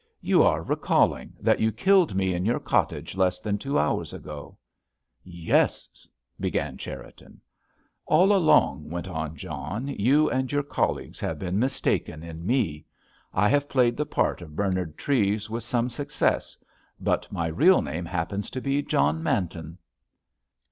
"You are recalling that you killed me in your cottage less than two hours ago?" "Yes," began Cherriton. "All along," went on John, "you and your colleagues have been mistaken in me. I have played the part of Bernard Treves with some success, but my real name happens to be John Manton."